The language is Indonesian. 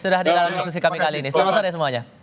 sudah di dalam diskusi kami kali ini selamat sore semuanya